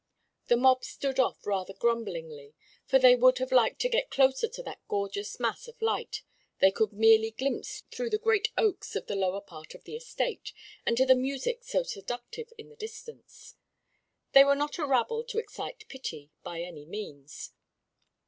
The mob stood off rather grumblingly, for they would have liked to get closer to that gorgeous mass of light they could merely glimpse through the great oaks of the lower part of the estate, and to the music so seductive in the distance. They were not a rabble to excite pity, by any means.